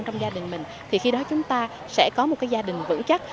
trong gia đình mình thì khi đó chúng ta sẽ có một cái gia đình vững chắc